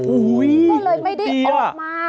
โอ้โฮโอ้โฮเดี๋ยวก็เลยไม่ได้ออกมา